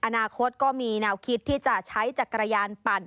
อนาคตก็มีแนวคิดที่จะใช้จักรยานปั่น